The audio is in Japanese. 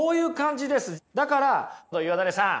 だから岩垂さん